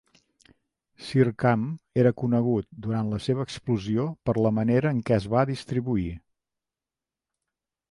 Sircam era conegut durant la seva explosió per la manera en què es va distribuir.